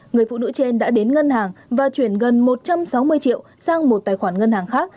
người phụ nữ trên đã đến ngân hàng và chuyển gần một trăm sáu mươi triệu sang một tài khoản ngân hàng khác